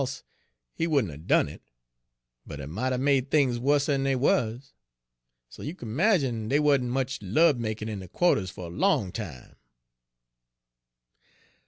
Page 75 he wouldn' 'a' done it, but he mought 'a' made things wusser'n dey wuz. So you kin 'magine dey wa'n't much lub makin' in de qua'ters fer a long time.